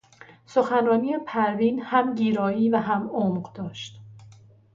سخنرانی پروین هم گیرایی و هم عمق داشت.